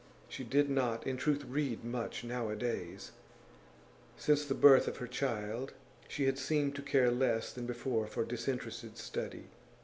She did not, in truth, read much nowadays; since the birth of her child she had seemed to care less than before for disinterested study.